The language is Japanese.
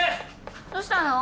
どうしたの？